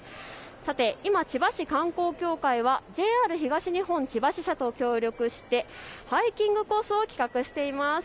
今、千葉市観光協会はＪＲ東日本千葉支社と協力してハイキングコースを企画しています。